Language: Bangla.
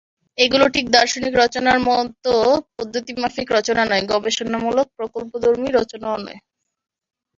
এগুলো ঠিক দার্শনিক রচনার মতো পদ্ধতিমাফিক রচনা নয়, গবেষণামূলক প্রকল্পধর্মী রচনাও নয়।